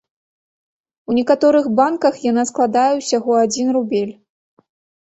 У некаторых банках яна складае ўсяго адзін рубель.